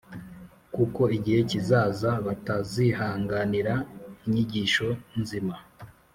kuko igihe kizaza batazihanganira inyigisho nzima